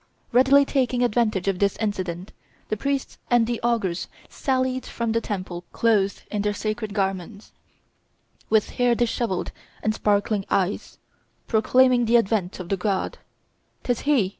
Readily taking advantage of this incident, the priests and the augurs sallied from the temple clothed in their sacred garments, with hair dishevelled and sparkling eyes, proclaiming the advent of the god: "'Tis he!